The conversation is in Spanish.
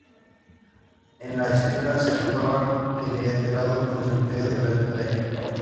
En la esquela se afirmaba que sería enterrado en el cementerio de Rentería.